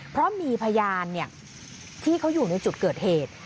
เพราะมีพยานที่เขาอยู่ในจุดเกิดเหตุ